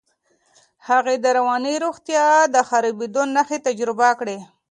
هغې د رواني روغتیا د خرابېدو نښې تجربه کړې.